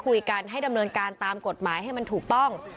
คุยกันให้ดำเนินการตามกฎหมายให้มันถูกต้อง